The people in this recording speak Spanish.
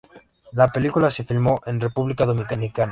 La película se filmó en República Dominicana.